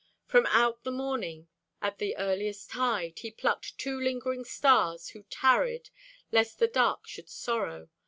From out the morning, at the earliest tide, He plucked two lingering stars, who tarried Lest the dark should sorrow.